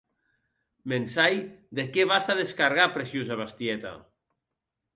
Me’n sai de qué vas a descargar, preciosa bestieta.